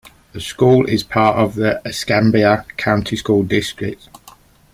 The school is part of the Escambia County School District.